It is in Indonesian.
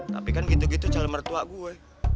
tapi kan gitu gitu calon mertua gue